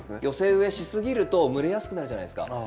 寄せ植えしすぎると蒸れやすくなるじゃないですか。